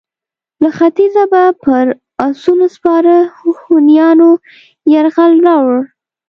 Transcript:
له ختیځه به پر اسونو سپاره هونیانو یرغل راووړ.